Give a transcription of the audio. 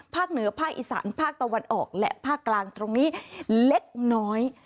เหนือภาคอีสานภาคตะวันออกและภาคกลางตรงนี้เล็กน้อย